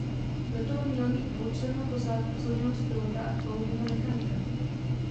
Letoun měl mít dvoučlennou posádku složenou z pilota a palubního mechanika.